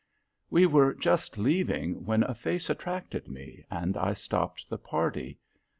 We were just leaving, when a face attracted me, and I stopped the party.